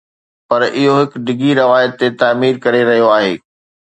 پر اهو هڪ ڊگهي روايت تي تعمير ڪري رهيو آهي